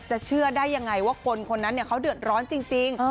เชื่อได้ยังไงว่าคนคนนั้นเขาเดือดร้อนจริง